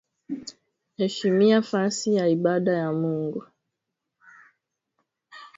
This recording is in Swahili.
Heshimia fasi ya ibada ya Mungu